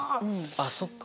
あっそっか。